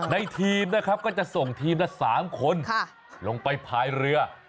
ทีมนะครับก็จะส่งทีมละ๓คนลงไปพายเรือ